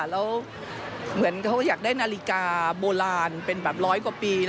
แล้วเหมือนเขาอยากได้นาฬิกาโบราณเป็นแบบร้อยกว่าปี